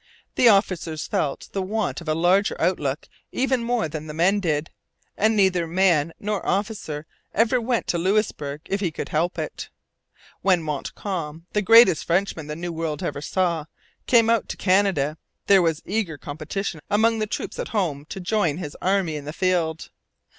The officers felt the want of a larger outlook even more than the men did; and neither man nor officer ever went to Louisbourg if he could help it. When Montcalm, the greatest Frenchman the New World ever saw, came out to Canada, there was eager competition among the troops at home to join his army in the field.